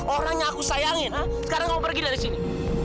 orang yang aku sayangin sekarang kamu pergi dari sini